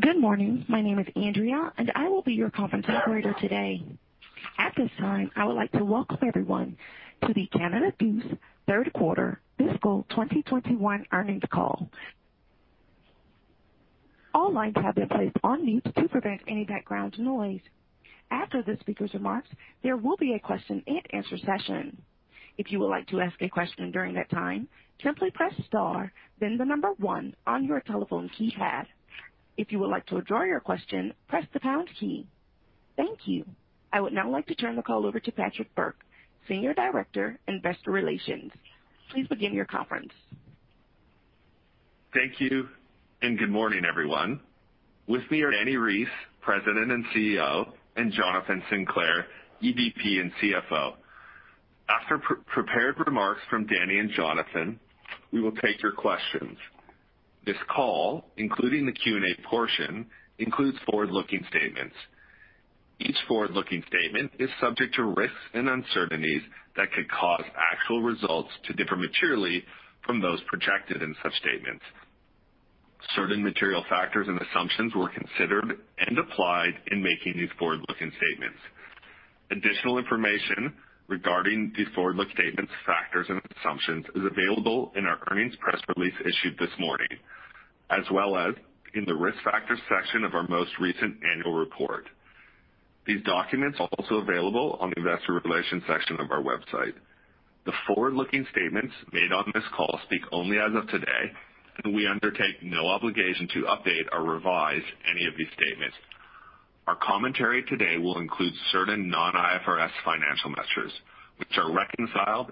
Good morning. My name is Andrea. I will be your conference operator today. At this time, I would like to welcome everyone to the Canada Goose third quarter fiscal 2021 earnings call. All lines have been placed on mute to prevent any background noise. After the speaker's remarks, there will be a question and answer session. If you would like to ask a question during that time, simply press star then the number one on your telephone keypad. If you would like to withdraw your question, press the pound key. Thank you. I would now like to turn the call over to Patrick Bourke, Senior Director, Investor Relations. Please begin your conference. Thank you. Good morning, everyone. With me are Dani Reiss, President and CEO, and Jonathan Sinclair, EVP and CFO. After prepared remarks from Dani and Jonathan, we will take your questions. This call, including the Q&A portion, includes forward-looking statements. Each forward-looking statement is subject to risks and uncertainties that could cause actual results to differ materially from those projected in such statements. Certain material factors and assumptions were considered and applied in making these forward-looking statements. Additional information regarding these forward-looking statements, factors, and assumptions is available in our earnings press release issued this morning, as well as in the Risk Factors section of our most recent annual report. These documents are also available on the Investor Relations section of our website. The forward-looking statements made on this call speak only as of today. We undertake no obligation to update or revise any of these statements. Our commentary today will include certain non-IFRS financial measures, which are reconciled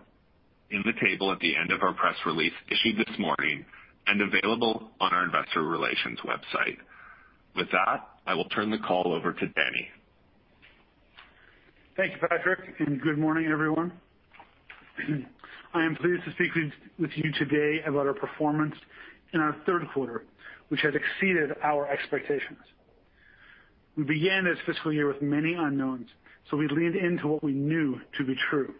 in the table at the end of our press release issued this morning and available on our investor relations website. With that, I will turn the call over to Dani. Thank you, Patrick, and good morning, everyone. I am pleased to speak with you today about our performance in our third quarter, which has exceeded our expectations. We began this fiscal year with many unknowns, so we leaned into what we knew to be true.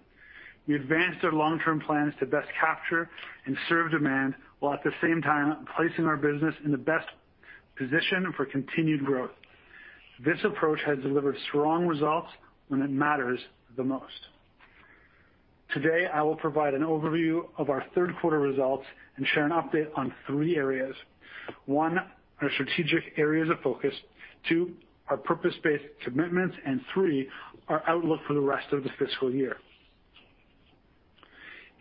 We advanced our long-term plans to best capture and serve demand, while at the same time placing our business in the best position for continued growth. This approach has delivered strong results when it matters the most. Today, I will provide an overview of our third quarter results and share an update on three areas. One, our strategic areas of focus, two, our purpose-based commitments, and three, our outlook for the rest of the fiscal year.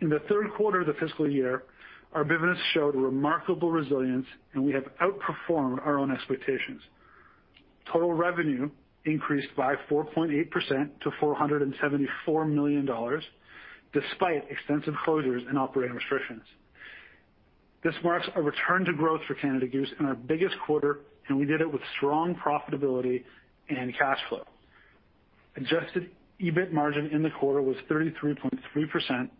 In the third quarter of the fiscal year, our business showed remarkable resilience and we have outperformed our own expectations. Total revenue increased by 4.8% to 474 million dollars, despite extensive closures and operating restrictions. This marks a return to growth for Canada Goose and our biggest quarter. We did it with strong profitability and cash flow. Adjusted EBIT margin in the quarter was 33.3%.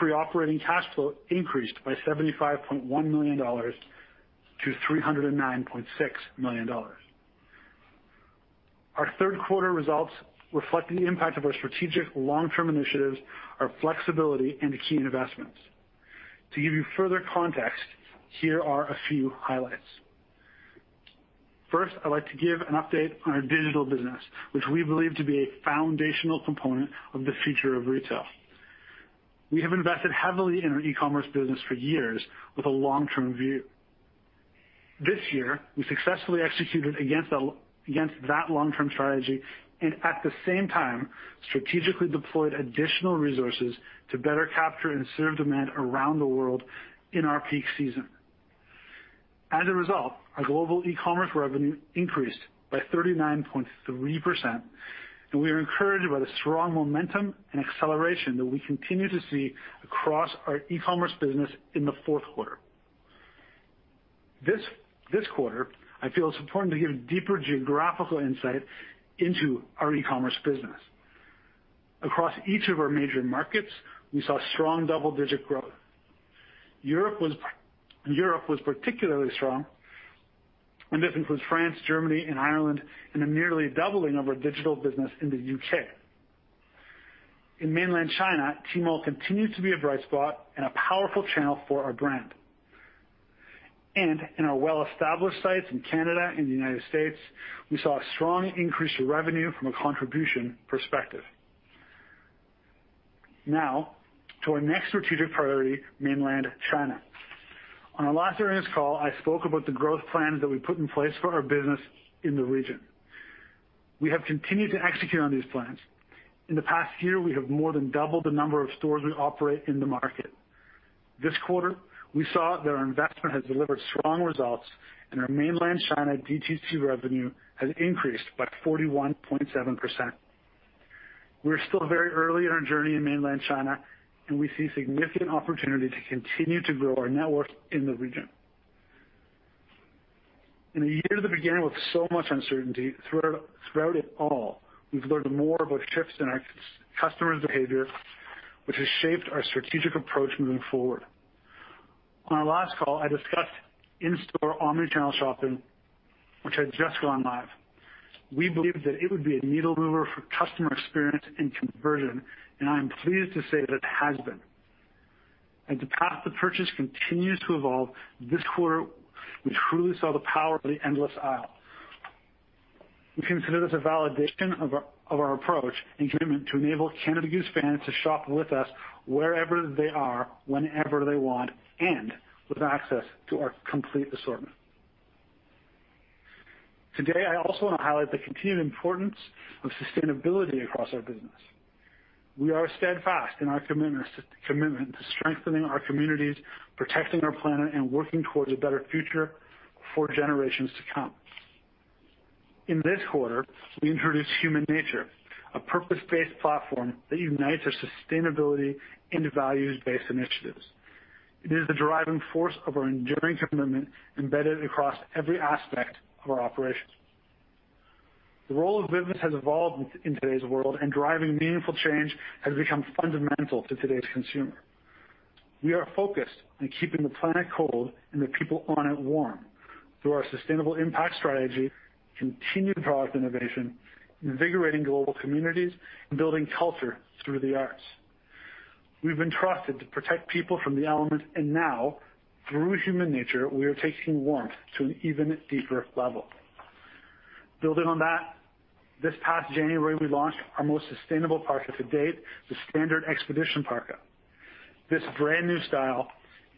Free operating cash flow increased by 75.1 million-309.6 million dollars. Our third quarter results reflect the impact of our strategic long-term initiatives, our flexibility and key investments. To give you further context, here are a few highlights. First, I'd like to give an update on our digital business, which we believe to be a foundational component of the future of retail. We have invested heavily in our e-commerce business for years with a long-term view. This year, we successfully executed against that long-term strategy and at the same time, strategically deployed additional resources to better capture and serve demand around the world in our peak season. As a result, our global e-commerce revenue increased by 39.3%, and we are encouraged by the strong momentum and acceleration that we continue to see across our e-commerce business in the fourth quarter. This quarter, I feel it is important to give deeper geographical insight into our e-commerce business. Across each of our major markets, we saw strong double-digit growth. Europe was particularly strong, and this includes France, Germany, and Ireland, and a nearly doubling of our digital business in the U.K. In mainland China, Tmall continued to be a bright spot and a powerful channel for our brand. In our well-established sites in Canada and the U.S., we saw a strong increase to revenue from a contribution perspective. Now, to our next strategic priority, mainland China. On our last earnings call, I spoke about the growth plans that we put in place for our business in the region. We have continued to execute on these plans. In the past year, we have more than doubled the number of stores we operate in the market. This quarter, we saw that our investment has delivered strong results, and our mainland China DTC revenue has increased by 41.7%. We are still very early in our journey in mainland China, and we see significant opportunity to continue to grow our network in the region. In a year that began with so much uncertainty, throughout it all, we've learned more about shifts in our customers' behavior, which has shaped our strategic approach moving forward. On our last call, I discussed in-store omni-channel shopping, which had just gone live. We believe that it would be a needle mover for customer experience and conversion, and I am pleased to say that it has been. As the path to purchase continues to evolve, this quarter, we truly saw the power of the endless aisle. We consider this a validation of our approach and commitment to enable Canada Goose fans to shop with us wherever they are, whenever they want, and with access to our complete assortment. Today, I also want to highlight the continued importance of sustainability across our business. We are steadfast in our commitment to strengthening our communities, protecting our planet, and working towards a better future for generations to come. In this quarter, we introduced HUMANATURE, a purpose-based platform that unites our sustainability and values-based initiatives. It is the driving force of our enduring commitment embedded across every aspect of our operations. The role of business has evolved in today's world, and driving meaningful change has become fundamental to today's consumer. We are focused on keeping the planet cold and the people on it warm through our sustainable impact strategy, continued product innovation, invigorating global communities, and building culture through the arts. We've been trusted to protect people from the elements, and now, through HUMANATURE, we are taking warmth to an even deeper level. Building on that, this past January, we launched our most sustainable parka to date, the Standard Expedition Parka. This brand-new style,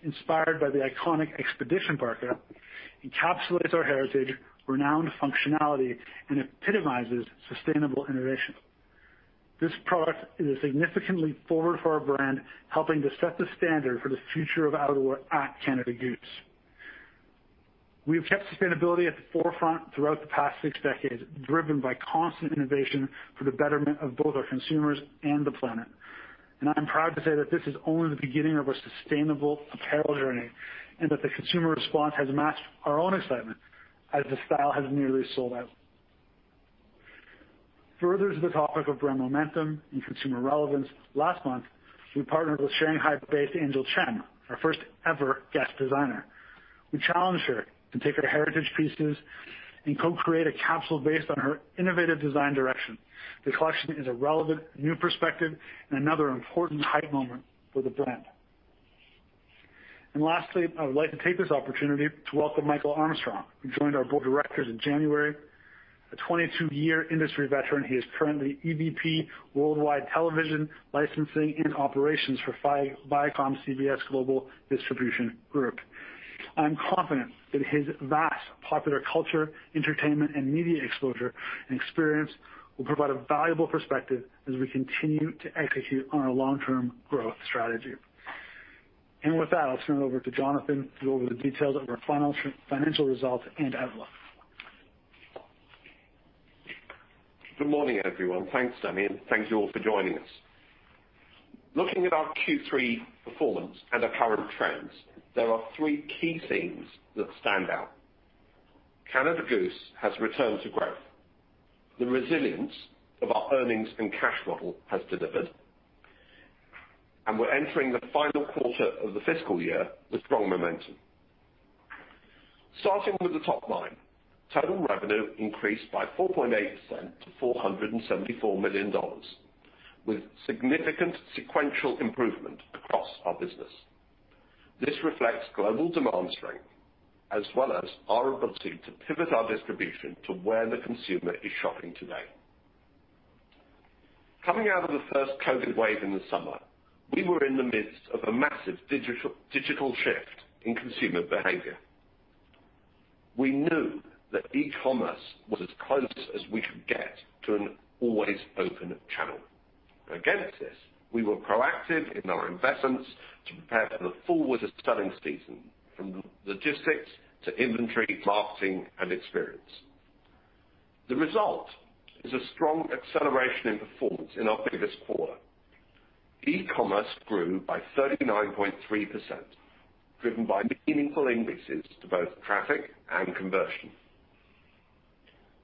inspired by the iconic Expedition Parka, encapsulates our heritage, renowned functionality, and epitomizes sustainable innovation. This product is significantly forward for our brand, helping to set the standard for the future of outdoor at Canada Goose. We have kept sustainability at the forefront throughout the past six decades, driven by constant innovation for the betterment of both our consumers and the planet. I am proud to say that this is only the beginning of our sustainable apparel journey, and that the consumer response has matched our own excitement as the style has nearly sold out. Further to the topic of brand momentum and consumer relevance, last month, we partnered with Shanghai-based Angel Chen, our first ever guest designer. We challenged her to take our heritage pieces and co-create a capsule based on her innovative design direction. The collection is a relevant new perspective and another important height moment for the brand. Lastly, I would like to take this opportunity to welcome Michael Armstrong, who joined our board of directors in January. A 22-year industry veteran, he is currently EVP, Worldwide Television, Licensing and Operations for ViacomCBS Global Distribution Group. I am confident that his vast popular culture, entertainment, and media exposure and experience will provide a valuable perspective as we continue to execute on our long-term growth strategy. With that, I'll turn it over to Jonathan to go over the details of our financial results and outlook. Good morning, everyone. Thanks, Dani, and thank you all for joining us. Looking at our Q3 performance and the current trends, there are three key themes that stand out. Canada Goose has returned to growth. The resilience of our earnings and cash model has delivered, and we're entering the final quarter of the fiscal year with strong momentum. Starting with the top line, total revenue increased by 4.8% to 474 million dollars, with significant sequential improvement across our business. This reflects global demand strength as well as our ability to pivot our distribution to where the consumer is shopping today. Coming out of the first COVID-19 wave in the summer, we were in the midst of a massive digital shift in consumer behavior. We knew that e-commerce was as close as we could get to an always open channel. Against this, we were proactive in our investments to prepare for the full winter selling season, from logistics to inventory, marketing, and experience. The result is a strong acceleration in performance in our biggest quarter. E-commerce grew by 39.3%, driven by meaningful increases to both traffic and conversion.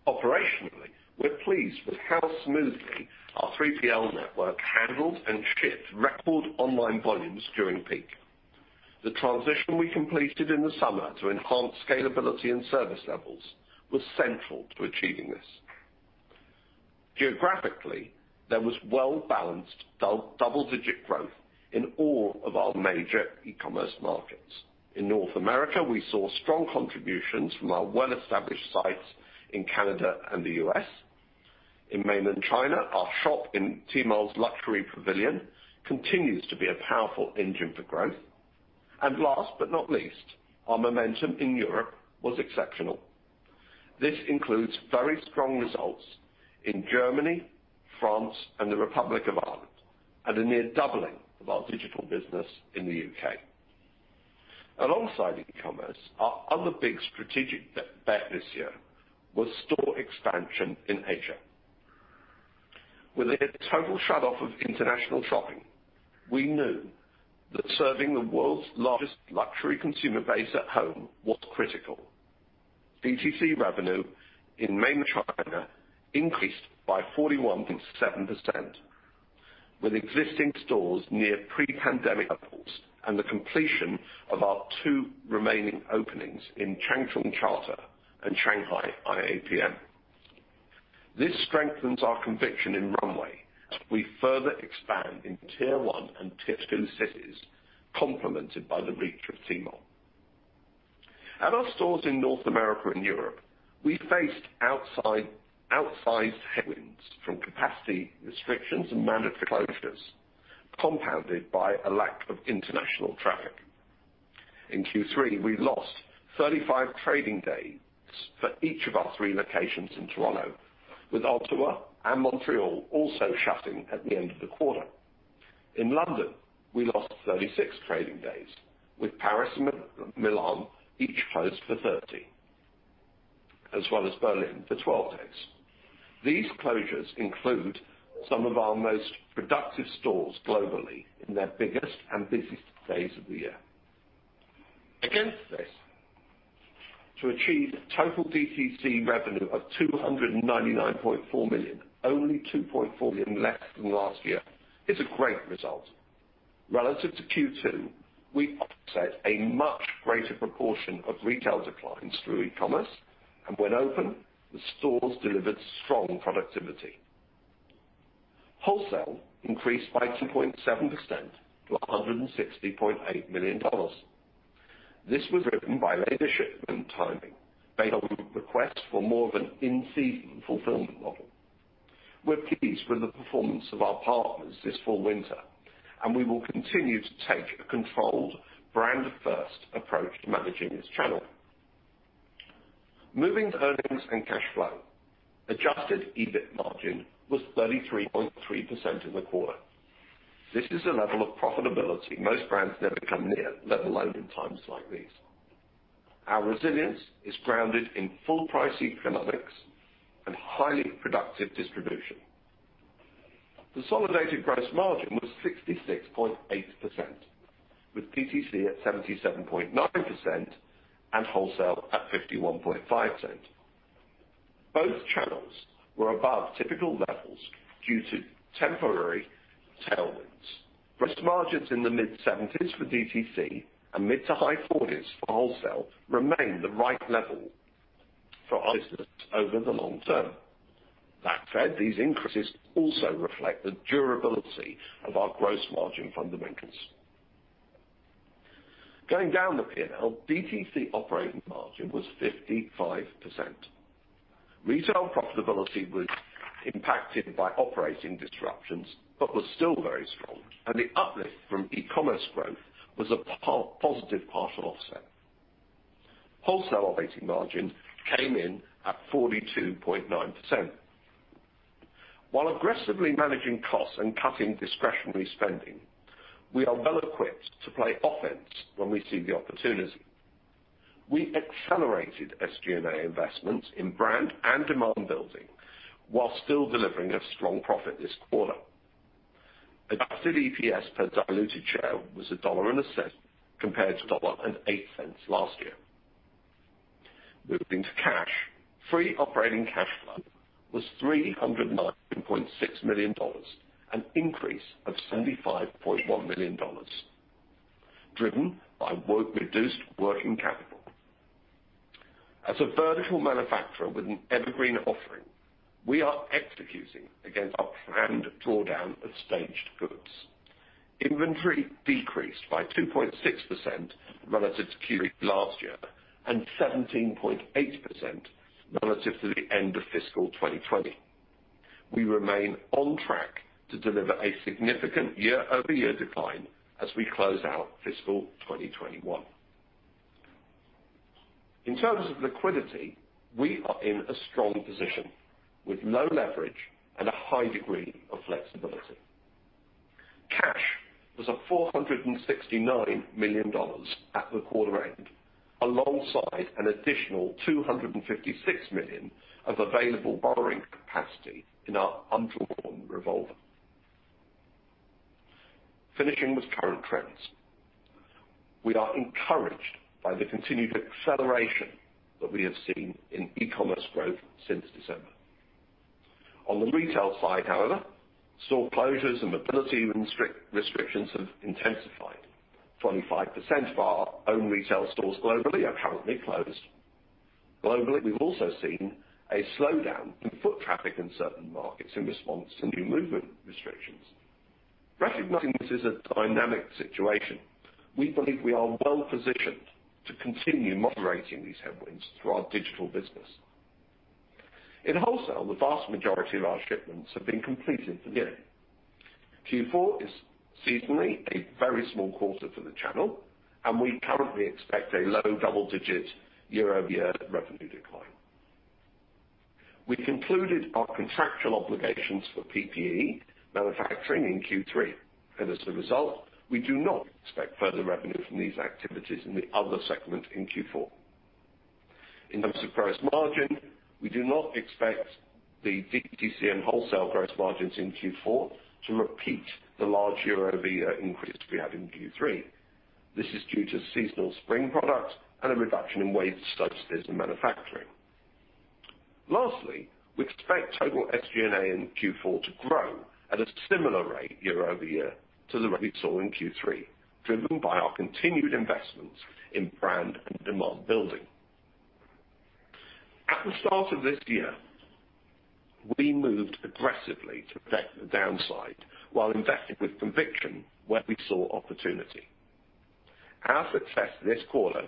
Operationally, we're pleased with how smoothly our 3PL network handled and shipped record online volumes during peak. The transition we completed in the summer to enhance scalability and service levels was central to achieving this. Geographically, there was well-balanced double-digit growth in all of our major e-commerce markets. In North America, we saw strong contributions from our well-established sites in Canada and the U.S. In mainland China, our shop in Tmall's luxury pavilion continues to be a powerful engine for growth. Last but not least, our momentum in Europe was exceptional. This includes very strong results in Germany, France, and the Republic of Ireland, and a near doubling of our digital business in the U.K. Alongside e-commerce, our other big strategic bet this year was store expansion in Asia. With a total shutoff of international shopping, we knew that serving the world's largest luxury consumer base at home was critical. DTC revenue in mainland China increased by 41.7%. With existing stores near pre-pandemic levels and the completion of our two remaining openings in Changchun, China and Shanghai iAPM. This strengthens our conviction in runway as we further expand in Tier 1 and Tier 2 cities, complemented by the reach of Tmall. At our stores in North America and Europe, we faced outsized headwinds from capacity restrictions and mandated closures, compounded by a lack of international traffic. In Q3, we lost 35 trading days for each of our three locations in Toronto, with Ottawa and Montreal also shutting at the end of the quarter. In London, we lost 36 trading days, with Paris and Milan each closed for 30, as well as Berlin for 12 days. These closures include some of our most productive stores globally in their biggest and busiest days of the year. Against this, to achieve total DTC revenue of 299.4 million, only 2.4 million less than last year, is a great result. Relative to Q2, we offset a much greater proportion of retail declines through e-commerce, and when open, the stores delivered strong productivity. Wholesale increased by 2.7% to 160.8 million dollars. This was driven by later shipment timing based on requests for more of an in-season fulfillment model. We're pleased with the performance of our partners this fall/winter, and we will continue to take a controlled brand-first approach to managing this channel. Moving to earnings and cash flow. Adjusted EBIT margin was 33.3% in the quarter. This is a level of profitability most brands never come near, let alone in times like these. Our resilience is grounded in full price economics and highly productive distribution. Consolidated gross margin was 66.8%, with DTC at 77.9% and wholesale at 51.5%. Both channels were above typical levels due to temporary tailwinds. Gross margins in the mid-70s for DTC and mid to high 40s for wholesale remain the right level for our business over the long term. That said, these increases also reflect the durability of our gross margin fundamentals. Going down the P&L, DTC operating margin was 55%. Retail profitability was impacted by operating disruptions but was still very strong, and the uplift from e-commerce growth was a positive partial offset. Wholesale operating margin came in at 42.9%. While aggressively managing costs and cutting discretionary spending, we are well equipped to play offense when we see the opportunity. We accelerated SG&A investments in brand and demand building while still delivering a strong profit this quarter. Adjusted EPS per diluted share was CAD 1.06, compared to 1.08 dollar last year. Moving to cash. Free operating cash flow was 319.6 million dollars, an increase of 75.1 million dollars, driven by reduced working capital. As a vertical manufacturer with an evergreen offering, we are executing against our planned drawdown of staged goods. Inventory decreased by 2.6% relative to Q3 last year and 17.8% relative to the end of fiscal 2020. We remain on track to deliver a significant year-over-year decline as we close out fiscal 2021. In terms of liquidity, we are in a strong position with low leverage and a high degree of flexibility. Cash was at 469 million dollars at the quarter end, alongside an additional 256 million of available borrowing capacity in our undrawn revolver. Finishing with current trends. We are encouraged by the continued acceleration that we have seen in e-commerce growth since December. On the retail side, however, store closures and mobility restrictions have intensified. 25% of our own retail stores globally are currently closed. Globally, we've also seen a slowdown in foot traffic in certain markets in response to new movement restrictions. Recognizing this is a dynamic situation, we believe we are well positioned to continue moderating these headwinds through our digital business. In wholesale, the vast majority of our shipments have been completed for the year. Q4 is seasonally a very small quarter for the channel, and we currently expect a low double-digit year-over-year revenue decline. We concluded our contractual obligations for PPE manufacturing in Q3, and as a result, we do not expect further revenue from these activities in the other segment in Q4. In terms of gross margin, we do not expect the DTC and wholesale gross margins in Q4 to repeat the large year-over-year increase we had in Q3. This is due to seasonal spring products and a reduction in wage subsidies and manufacturing. Lastly, we expect total SG&A in Q4 to grow at a similar rate year-over-year to the rate we saw in Q3, driven by our continued investments in brand and demand building. At the start of this year, we moved aggressively to protect the downside while invested with conviction where we saw opportunity. Our success this quarter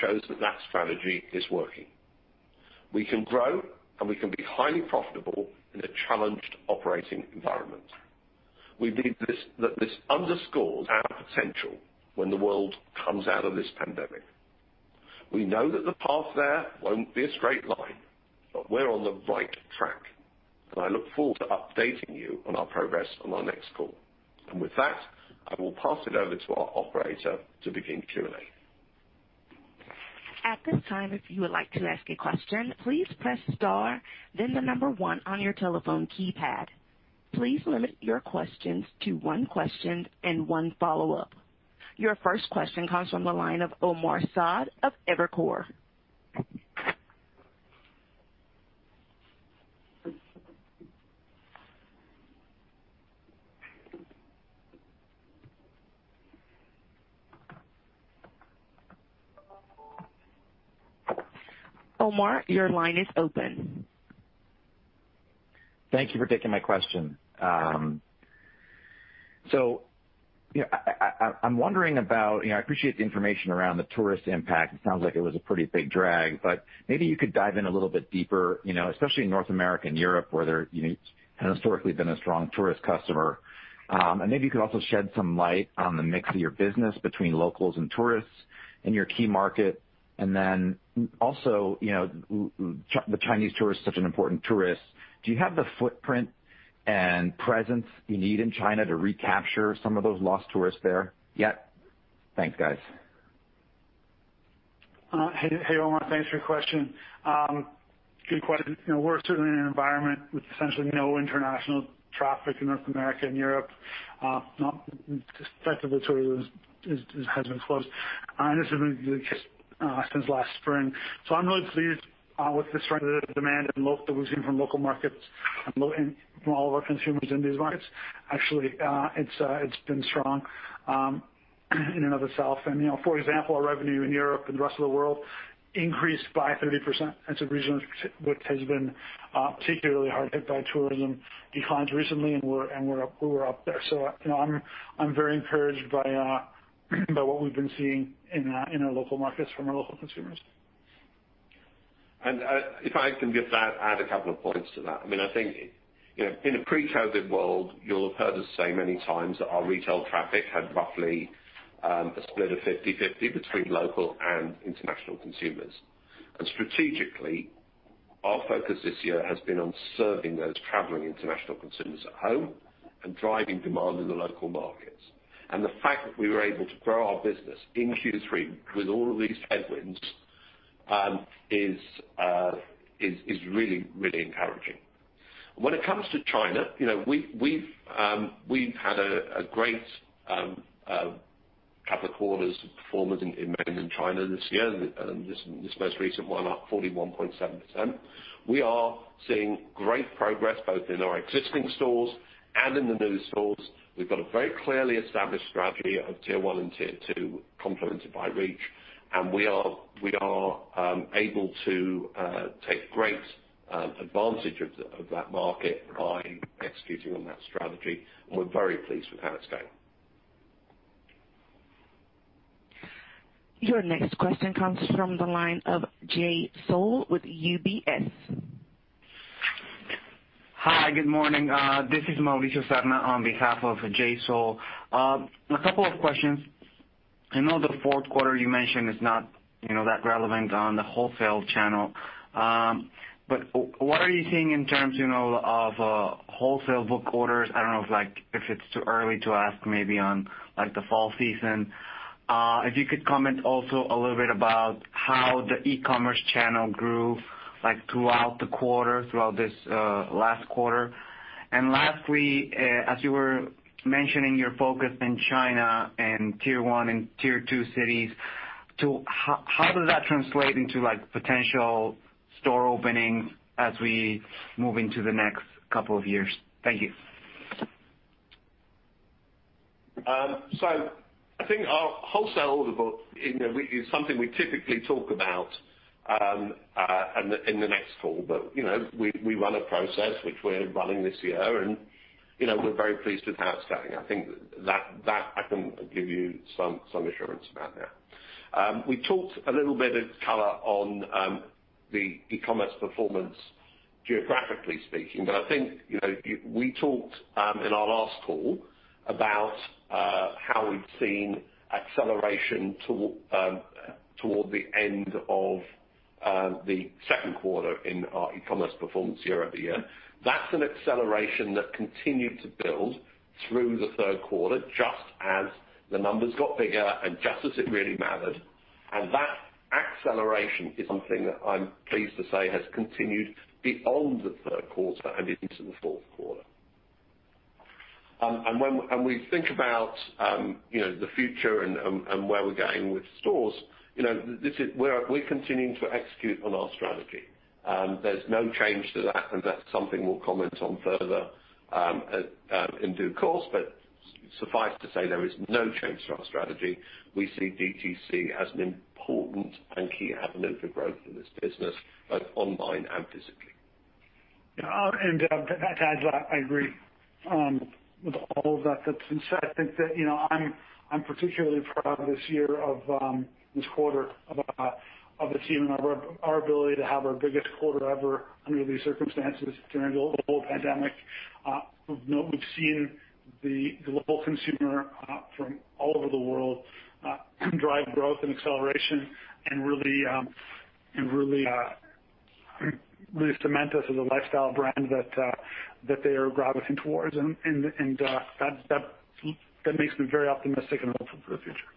shows that strategy is working. We can grow, and we can be highly profitable in a challenged operating environment. We believe that this underscores our potential when the world comes out of this pandemic. We know that the path there won't be a straight line, but we're on the right track, I look forward to updating you on our progress on our next call. With that, I will pass it over to our operator to begin Q&A. At this time, if you would like to ask a question, please press star, then the number one on your telephone keypad. Please limit your questions to one question and one follow-up. Your first question comes from the line of Omar Saad of Evercore. Omar, your line is open. Thank you for taking my question. I appreciate the information around the tourist impact. It sounds like it was a pretty big drag, but maybe you could dive in a little bit deeper, especially in North America and Europe, where there historically has been a strong tourist customer. Maybe you could also shed some light on the mix of your business between locals and tourists in your key market. The Chinese tourist is such an important tourist. Do you have the footprint and presence you need in China to recapture some of those lost tourists there yet? Thanks, guys. Hey, Omar. Thanks for your question. Good question. We're certainly in an environment with essentially no international traffic in North America and Europe. Effectively, tourism has been closed, and this has been the case since last spring. I'm really pleased with the strength of the demand that we've seen from local markets and from all of our consumers in these markets. Actually, it's been strong in and of itself. For example, our revenue in Europe and the rest of the world increased by 30% as a region, which has been particularly hard hit by tourism declines recently, and we're up there. I'm very encouraged by what we've been seeing in our local markets from our local consumers. If I can add a couple of points to that. I think in a pre-COVID-19 world, you'll have heard us say many times that our retail traffic had roughly a split of 50/50 between local and international consumers. Strategically, our focus this year has been on serving those traveling international consumers at home and driving demand in the local markets. The fact that we were able to grow our business in Q3 with all of these headwinds is really encouraging. When it comes to China, we've had a great couple of quarters of performance in mainland China this year, and this most recent one up 41.7%. We are seeing great progress both in our existing stores and in the new stores. We've got a very clearly established strategy of Tier 1 and Tier 2 complemented by Reach. We are able to take great advantage of that market by executing on that strategy. We're very pleased with how it's going. Your next question comes from the line of Jay Sole with UBS. Hi, good morning. This is Mauricio Serna on behalf of Jay Sole. A couple of questions. I know the fourth quarter you mentioned is not that relevant on the wholesale channel. What are you seeing in terms of wholesale book orders? I don't know if it's too early to ask maybe on the fall season. If you could comment also a little bit about how the e-commerce channel grew throughout this last quarter. Lastly, as you were mentioning your focus in China and Tier 1 and Tier 2 cities, how does that translate into potential store openings as we move into the next couple of years? Thank you. I think our wholesale order book is something we typically talk about in the next call, but we run a process which we're running this year, and we're very pleased with how it's going. I think that I can give you some assurance about that. We talked a little bit of color on the eCommerce performance geographically speaking, but I think we talked in our last call about how we've seen acceleration toward the end of the second quarter in our eCommerce performance year-over-year. That's an acceleration that continued to build through the third quarter, just as the numbers got bigger and just as it really mattered. That acceleration is something that I'm pleased to say has continued beyond the third quarter and into the fourth quarter. When we think about the future and where we're going with stores, we're continuing to execute on our strategy. There's no change to that, and that's something we'll comment on further in due course. Suffice to say, there is no change to our strategy. We see DTC as an important and key avenue for growth in this business, both online and physically. Yeah. Jonathan, I agree with all of that. I think that I'm particularly proud this year of this quarter of the team and our ability to have our biggest quarter ever under these circumstances during the whole pandemic. We've seen the global consumer from all over the world drive growth and acceleration and really cement us as a lifestyle brand that they are gravitating towards. That makes me very optimistic and hopeful for the future.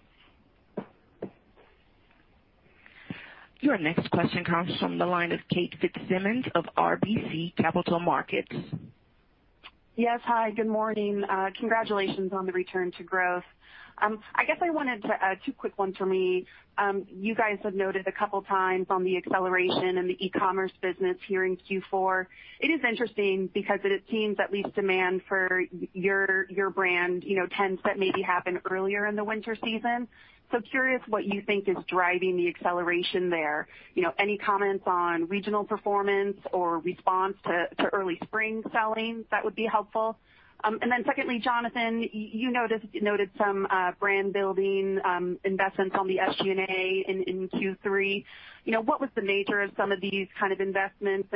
Your next question comes from the line of Kate Fitzsimons of RBC Capital Markets. Yes. Hi, good morning. Congratulations on the return to growth. Two quick ones from me. You guys have noted a couple of times on the acceleration in the e-commerce business here in Q4. It is interesting because it seems at least demand for your brand tends to maybe happen earlier in the winter season. Curious what you think is driving the acceleration there. Any comments on regional performance or response to early spring selling, that would be helpful. Secondly, Jonathan, you noted some brand-building investments on the SG&A in Q3. What was the nature of some of these kind of investments?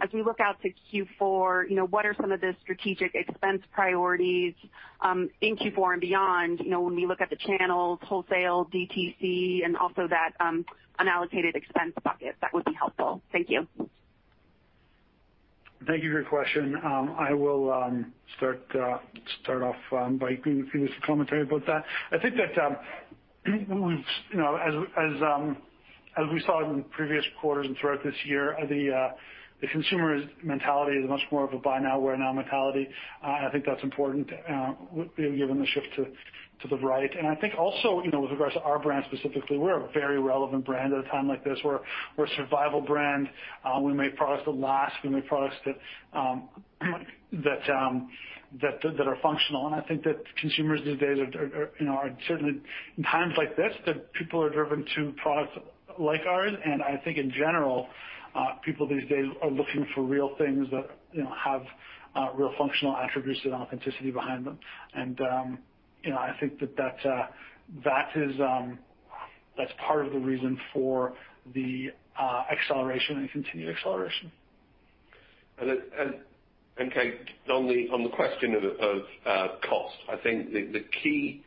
As we look out to Q4, what are some of the strategic expense priorities in Q4 and beyond when we look at the channels, wholesale, DTC, and also that unallocated expense bucket? That would be helpful. Thank you. Thank you for your question. I will start off by giving you some commentary about that. I think that as we saw in previous quarters and throughout this year, the consumer's mentality is much more of a buy now, wear now mentality. I think that's important given the shift to the right. I think also with regards to our brand specifically, we're a very relevant brand at a time like this. We're a survival brand. We make products that last. We make products that are functional. I think that consumers these days are certainly in times like this, that people are driven to products like ours. I think in general, people these days are looking for real things that have real functional attributes and authenticity behind them. I think that's part of the reason for the acceleration and continued acceleration. Kate, on the question of cost, I think the key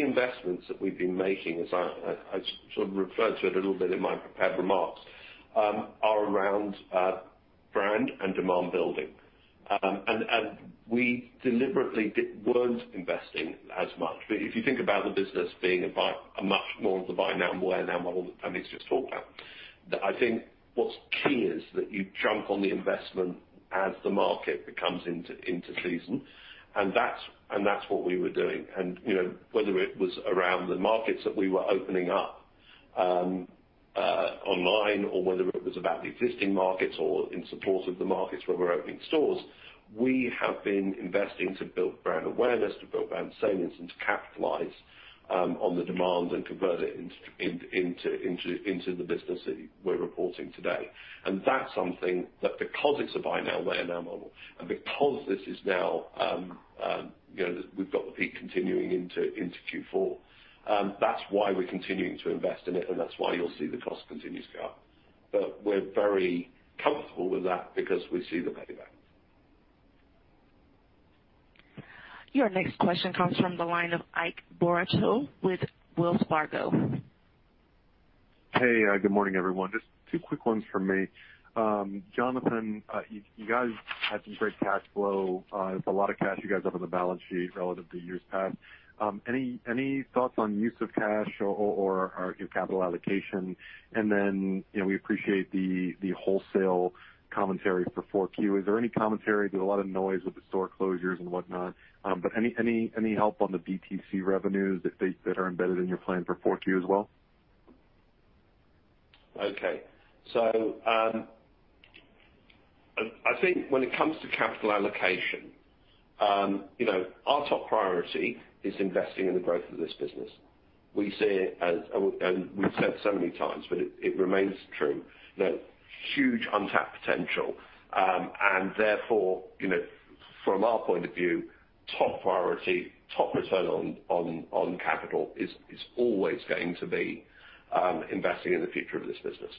investments that we've been making, as I sort of referred to it a little bit in my prepared remarks, are around brand and demand building. We deliberately weren't investing as much. If you think about the business being a much more of the buy now and wear now model that Dani's just talked about, I think what's key is that you jump on the investment as the market comes into season. That's what we were doing. Whether it was around the markets that we were opening up online or whether it was about the existing markets or in support of the markets where we're opening stores, we have been investing to build brand awareness, to build brand salience, and to capitalize on the demand and convert it into the business that we're reporting today. That's something that because it's a buy now, wear now model, and because this is now, we've got the peak continuing into Q4. That's why we're continuing to invest in it, and that's why you'll see the cost continues to go up. We're very comfortable with that because we see the payback. Your next question comes from the line of Ike Boruchow with Wells Fargo. Hey, good morning, everyone. Just two quick ones from me. Jonathan, you guys had some great cash flow. It's a lot of cash you guys have on the balance sheet relative to years past. Any thoughts on use of cash or capital allocation? Then, we appreciate the wholesale commentary for 4Q. Is there any commentary? There's a lot of noise with the store closures and whatnot. Any help on the DTC revenues that are embedded in your plan for 4Q as well? I think when it comes to capital allocation, our top priority is investing in the growth of this business. We see it as, and we've said so many times, but it remains true that huge untapped potential, and therefore from our point of view, top priority, top return on capital is always going to be investing in the future of this business.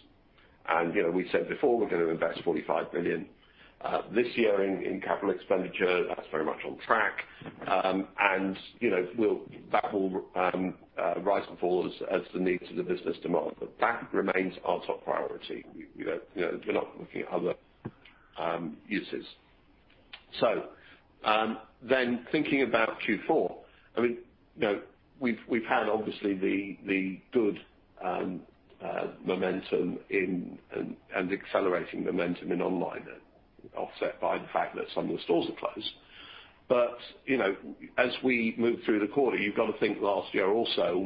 we said before, we're going to invest 45 million this year in capital expenditure. That's very much on track. that will rise and fall as the needs of the business demand, but that remains our top priority. We're not looking at other uses. thinking about Q4. We've had, obviously, the good momentum and accelerating momentum in online, offset by the fact that some of the stores are closed. As we move through the quarter, you've got to think last year also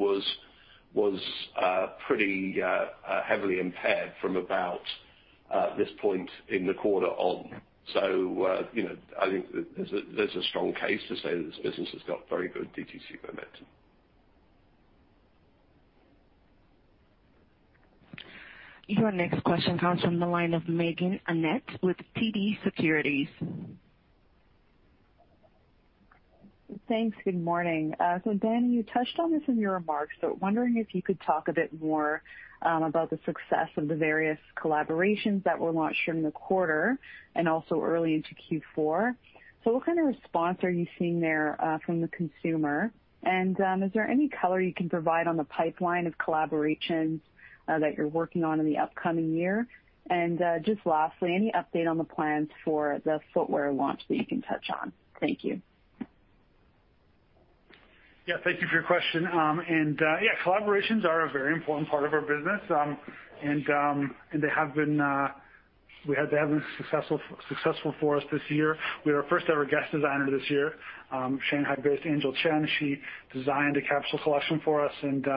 was pretty heavily impaired from about this point in the quarter on. I think there's a strong case to say that this business has got very good DTC momentum. Your next question comes from the line of Meaghen Annett with TD Securities. Thanks. Good morning. Dani, you touched on this in your remarks, but wondering if you could talk a bit more about the success of the various collaborations that were launched during the quarter and also early into Q4. What kind of response are you seeing there from the consumer? Is there any color you can provide on the pipeline of collaborations that you're working on in the upcoming year? Just lastly, any update on the plans for the footwear launch that you can touch on? Thank you. Yeah, thank you for your question. Yeah, collaborations are a very important part of our business. They have been successful for us this year. We had our first-ever guest designer this year, Shanghai-based Angel Chen. She designed a capsule collection for us and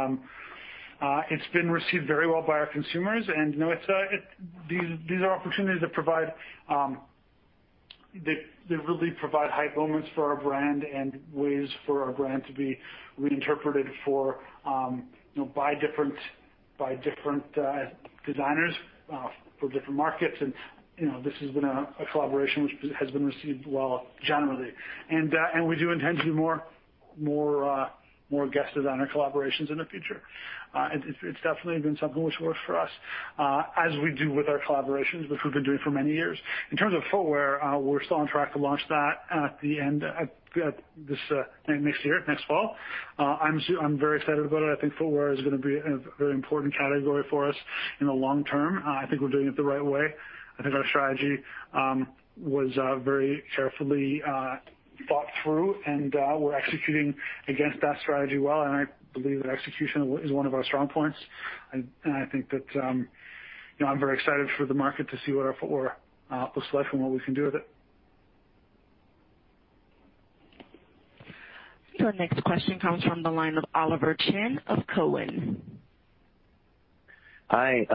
it's been received very well by our consumers. These are opportunities that really provide high moments for our brand and ways for our brand to be reinterpreted by different designers for different markets. This has been a collaboration which has been received well generally. We do intend to do more guest designer collaborations in the future. It's definitely been something which works for us, as we do with our collaborations, which we've been doing for many years. In terms of footwear, we're still on track to launch that at the end of next year, next fall. I'm very excited about it. I think footwear is going to be a very important category for us in the long term. I think we're doing it the right way. I think our strategy was very carefully thought through, and we're executing against that strategy well, and I believe that execution is one of our strong points. I'm very excited for the market to see what our footwear looks like and what we can do with it. Your next question comes from the line of Oliver Chen of Cowen. Hi.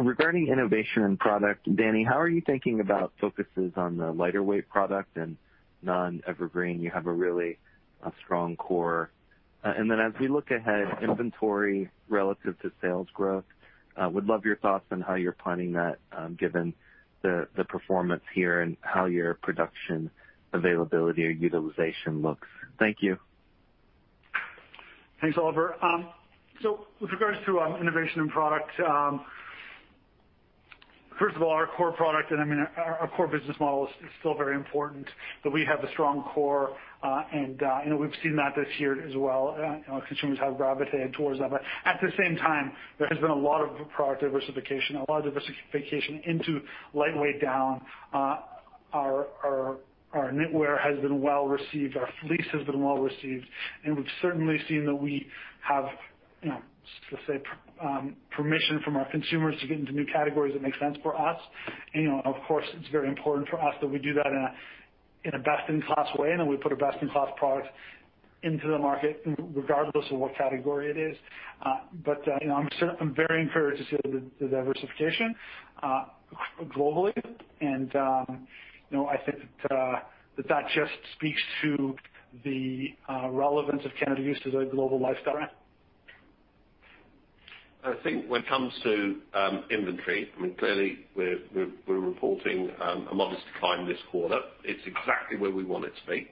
Regarding innovation and product, Dani, how are you thinking about focuses on the lighter weight product and non-evergreen? You have a really strong core. As we look ahead, inventory relative to sales growth, would love your thoughts on how you're planning that, given the performance here and how your production availability or utilization looks. Thank you. Thanks, Oliver. With regards to innovation and product, first of all, our core product and our core business model is still very important that we have a strong core. We've seen that this year as well. Our consumers have gravitated towards that. At the same time, there has been a lot of product diversification, a lot of diversification into lightweight down. Our knitwear has been well-received. Our fleece has been well-received, and we've certainly seen that we have permission from our consumers to get into new categories that make sense for us. Of course, it's very important for us that we do that in a best-in-class way, and that we put a best-in-class product into the market regardless of what category it is. I'm very encouraged to see the diversification globally. I think that just speaks to the relevance of Canada Goose as a global lifestyle brand. I think when it comes to inventory, clearly we're reporting a modest decline this quarter. It's exactly where we want it to be.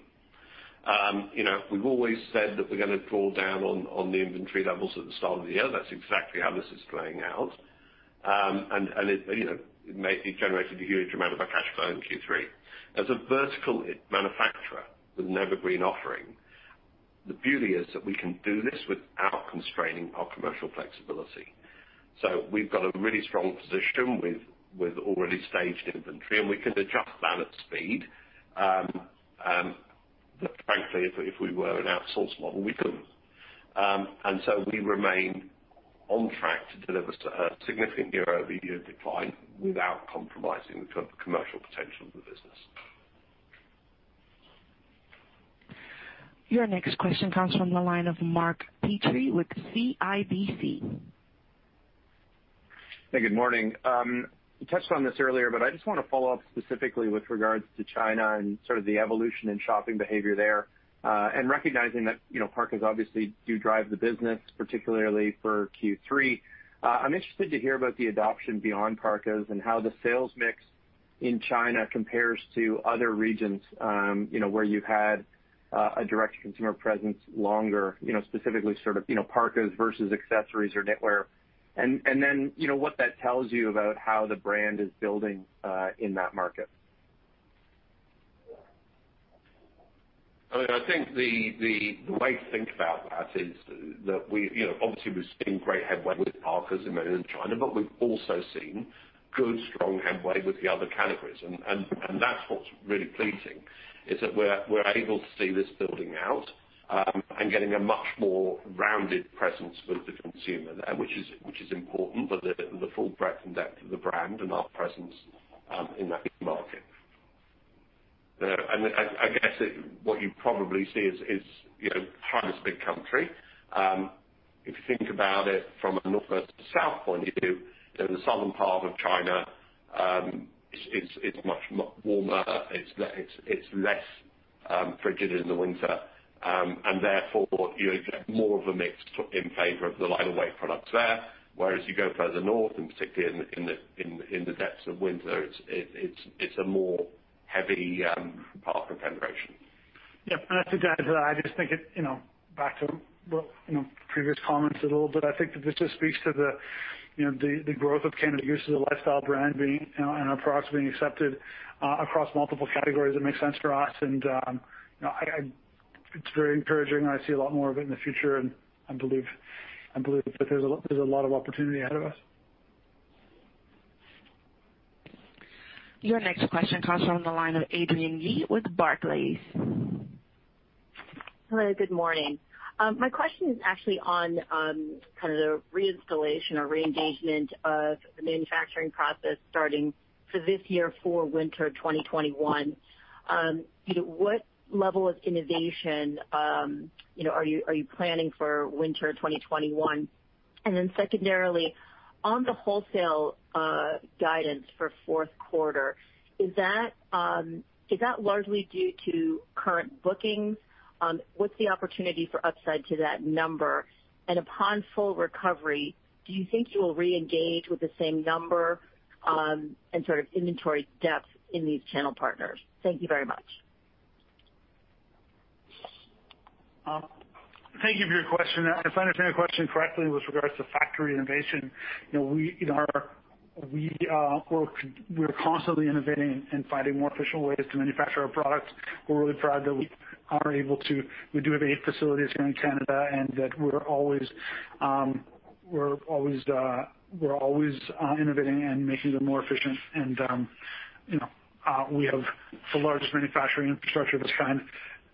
We've always said that we're going to draw down on the inventory levels at the start of the year. That's exactly how this is playing out. It generated a huge amount of our cash burn in Q3. As a vertical manufacturer with an evergreen offering, the beauty is that we can do this without constraining our commercial flexibility. We've got a really strong position with already staged inventory, and we can adjust that at speed. Frankly, if we were an outsource model, we couldn't. We remain on track to deliver a significant year-over-year decline without compromising the commercial potential of the business. Your next question comes from the line of Mark Petrie with CIBC. Hey, good morning. You touched on this earlier, but I just want to follow up specifically with regards to China and sort of the evolution in shopping behavior there. Recognizing that parkas obviously do drive the business, particularly for Q3. I'm interested to hear about the adoption beyond parkas and how the sales mix in China compares to other regions where you've had a direct consumer presence longer, specifically parkas versus accessories or knitwear. What that tells you about how the brand is building in that market. I think the way to think about that is that obviously we're seeing great headway with parkas in mainland China, but we've also seen good, strong headway with the other categories. That's what's really pleasing, is that we're able to see this building out and getting a much more rounded presence with the consumer, which is important for the full breadth and depth of the brand and our presence in that big market. I guess what you probably see is, China's a big country. If you think about it from a north to south point of view, the southern part of China is much warmer. It's less frigid in the winter. Therefore, you get more of a mix in favor of the lighter weight products there. Whereas you go further north, and particularly in the depths of winter, it's a more heavy parka penetration. Yeah. I think to add to that, back to previous comments a little bit, I think that this just speaks to the growth of Canada Goose as a lifestyle brand and our products being accepted across multiple categories that make sense for us. It's very encouraging, and I see a lot more of it in the future. I believe that there's a lot of opportunity ahead of us. Your next question comes from the line of Adrienne Yih with Barclays. Hello, good morning. My question is actually on the reinstallation or re-engagement of the manufacturing process starting for this year for winter 2021. What level of innovation are you planning for winter 2021? Secondarily, on the wholesale guidance for fourth quarter, is that largely due to current bookings? What's the opportunity for upside to that number? Upon full recovery, do you think you will re-engage with the same number, and sort of inventory depth in these channel partners? Thank you very much. Thank you for your question. If I understand your question correctly with regards to factory innovation, we're constantly innovating and finding more efficient ways to manufacture our products. We're really proud that we are able to. We do have eight facilities here in Canada, and that we're always innovating and making them more efficient. We have the largest manufacturing infrastructure of its kind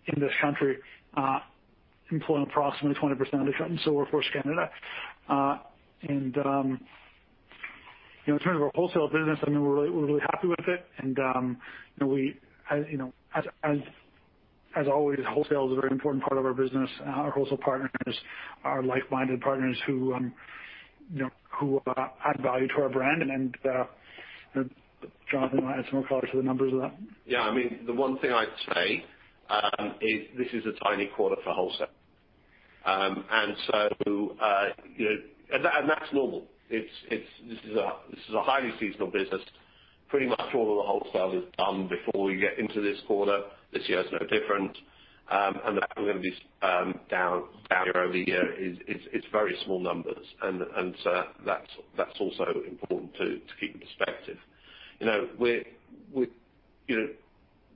in this country, employing approximately 20% of the seamstress workforce in Canada. In terms of our wholesale business, we're really happy with it. As always, wholesale is a very important part of our business, and our wholesale partners are like-minded partners who add value to our brand. Jonathan might add some more color to the numbers of that. The one thing I'd say, is this is a tiny quarter for wholesale. That's normal. This is a highly seasonal business. Pretty much all of the wholesale is done before we get into this quarter. This year is no different. The fact that we're going to be down year-over-year, it's very small numbers. That's also important to keep in perspective.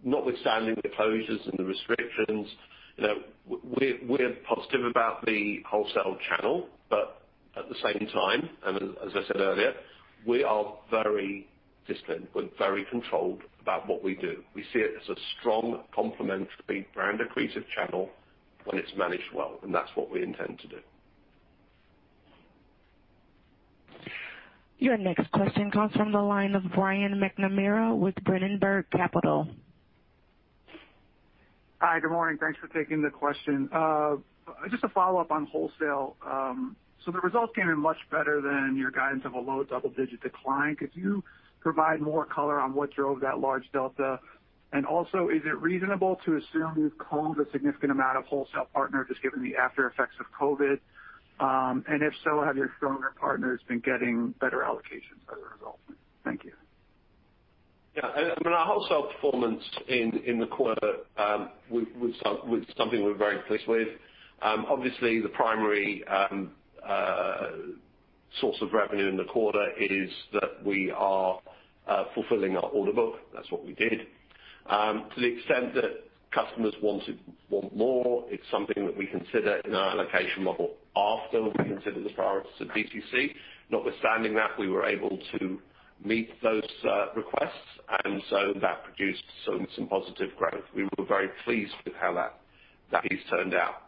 Notwithstanding the closures and the restrictions, we're positive about the wholesale channel. At the same time, and as I said earlier, we are very disciplined. We're very controlled about what we do. We see it as a strong complementary brand accretive channel when it's managed well, and that's what we intend to do. Your next question comes from the line of Brian McNamara with Berenberg Capital Markets. Hi, good morning. Thanks for taking the question. Just a follow-up on wholesale. The results came in much better than your guidance of a low double-digit decline. Could you provide more color on what drove that large delta? Also, is it reasonable to assume you've culled a significant amount of wholesale partners just given the aftereffects of COVID-19? If so, have your stronger partners been getting better allocations as a result? Thank you. Yeah. Our wholesale performance in the quarter was something we're very pleased with. Obviously, the primary source of revenue in the quarter is that we are fulfilling our order book. That's what we did. To the extent that customers want more, it's something that we consider in our allocation model after we consider the priorities of DTC. Notwithstanding that, we were able to meet those requests, and so that produced some positive growth. We were very pleased with how that piece turned out.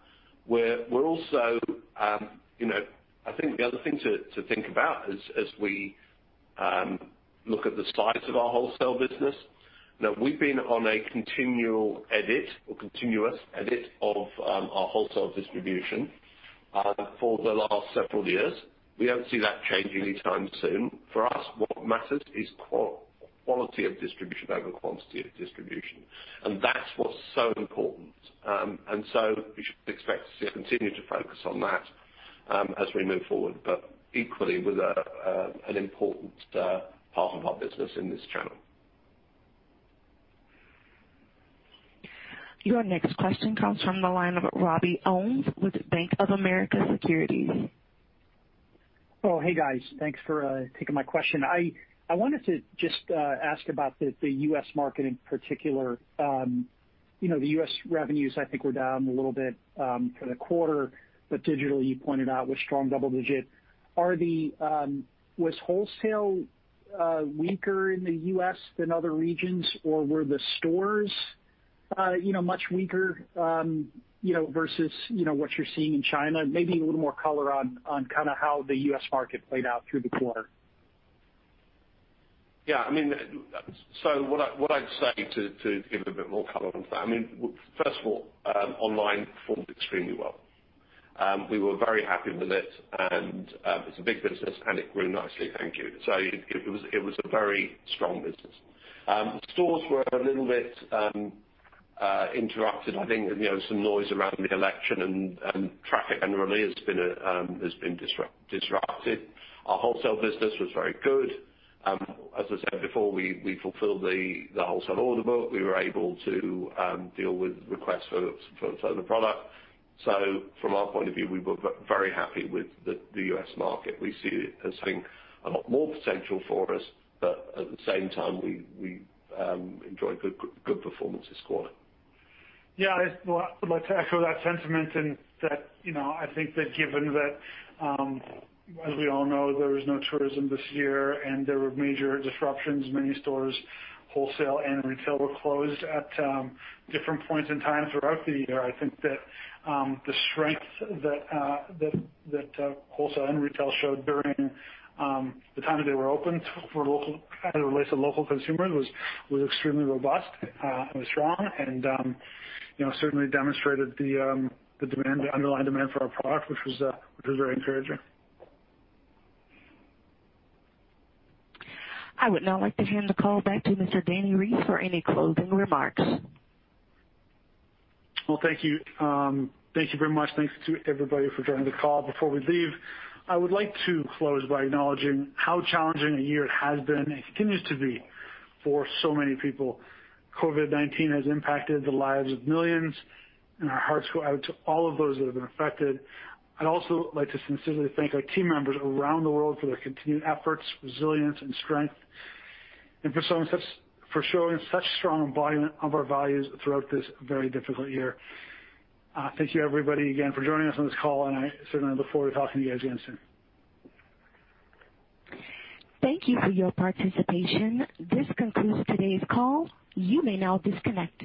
I think the other thing to think about as we look at the size of our wholesale business, we've been on a continual edit or continuous edit of our wholesale distribution for the last several years. We don't see that changing anytime soon. For us, what matters is quality of distribution over quantity of distribution, and that's what's so important. You should expect to see us continue to focus on that as we move forward, but equally with an important part of our business in this channel. Your next question comes from the line of Robbie Ohmes with Bank of America Securities. Hey guys. Thanks for taking my question. I wanted to just ask about the U.S. market in particular. The U.S. revenues, I think, were down a little bit for the quarter. Digital, you pointed out, was strong double-digit. Was wholesale weaker in the U.S. than other regions or were the stores much weaker versus what you're seeing in China? Maybe a little more color on how the U.S. market played out through the quarter. What I'd say to give it a bit more color on that, first of all, online performed extremely well. We were very happy with it and it's a big business and it grew nicely, thank you. It was a very strong business. Stores were a little bit interrupted. I think, some noise around the election and traffic generally has been disrupted. Our wholesale business was very good. As I said before, we fulfilled the wholesale order book. We were able to deal with requests for the product. From our point of view, we were very happy with the U.S. market. We see it as having a lot more potential for us, but at the same time, we enjoyed good performance this quarter. Yeah. Well, I'd like to echo that sentiment in that, I think that given that, as we all know, there was no tourism this year and there were major disruptions, many stores, wholesale and retail, were closed at different points in time throughout the year. I think that the strength that wholesale and retail showed during the time that they were open for local, at least the local consumers, was extremely robust and was strong and certainly demonstrated the underlying demand for our product, which was very encouraging. I would now like to hand the call back to Mr. Dani Reiss for any closing remarks. Well, thank you. Thank you very much. Thanks to everybody for joining the call. Before we leave, I would like to close by acknowledging how challenging a year it has been and continues to be for so many people. COVID-19 has impacted the lives of millions, and our hearts go out to all of those that have been affected. I'd also like to sincerely thank our team members around the world for their continued efforts, resilience, and strength, and for showing such strong embodiment of our values throughout this very difficult year. Thank you everybody again for joining us on this call, and I certainly look forward to talking to you guys again soon. Thank you for your participation. This concludes today's call. You may now disconnect.